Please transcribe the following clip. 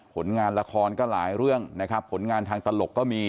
ผลงานละครก็หลายเรื่องนะครับผลงานทางตลกก็มี